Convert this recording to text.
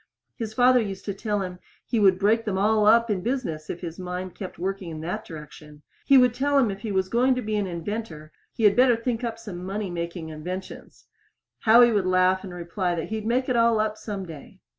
His father used to tell him he would break them all up in business if his mind went on working in that direction. He would tell him if he was going to be an inventor he had better think up some money making inventions. Howie would laugh and reply that he'd make it all up some day.